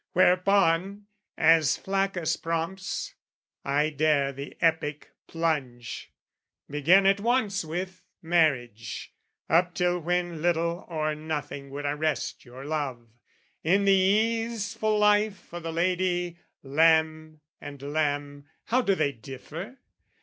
Whereupon, As Flaccus prompts, I dare the epic plunge Begin at once with marriage, up till when Little or nothing would arrest your love, In the easeful life o' the lady; lamb and lamb, How do they differ?